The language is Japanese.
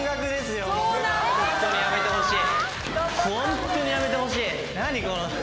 ホントにやめてほしい。